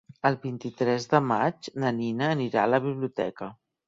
El vint-i-tres de maig na Nina anirà a la biblioteca.